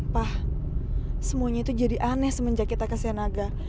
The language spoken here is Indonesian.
pah semuanya itu jadi aneh semenjak kita ke senaga